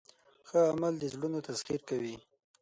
ښه عمل د زړونو تسخیر کوي.